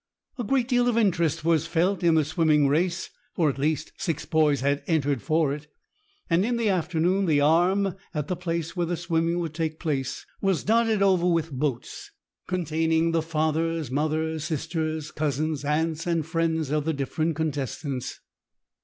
A great deal of interest was felt in the swimming race, for at least six boys had entered for it, and in the afternoon the Arm, at the place where the swimming would take place, was dotted over with boats, containing the fathers, mothers, sisters, cousins, aunts, and friends of the different contestants.